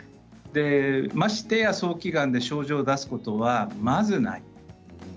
ましてや早期がんで症状を出すことはまずない。